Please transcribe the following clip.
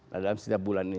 dalam setiap bulan ini